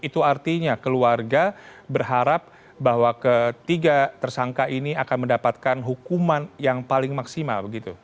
itu artinya keluarga berharap bahwa ketiga tersangka ini akan mendapatkan hukuman yang paling maksimal